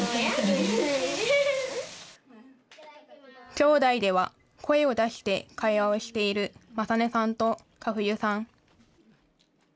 きょうだいでは声を出して会話をしている理音さんと佳冬さん。